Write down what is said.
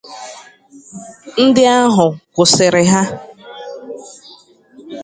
ndị ahụ kwụsịrị ha